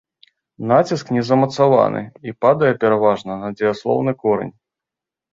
Націск не замацаваны, і падае, пераважна, на дзеяслоўны корань.